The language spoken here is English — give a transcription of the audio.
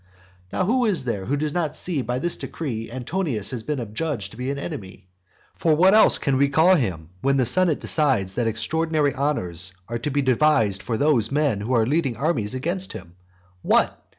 Now who is there who does not see that by this decree Antonius has been adjudged to be an enemy? For what else can we call him, when the senate decides that extraordinary honours are to be devised for those men who are leading armies against him? What?